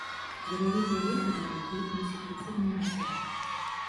Ядавітая лекавая і інсектыцыдная расліна.